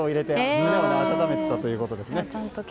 胸を温めていたということで。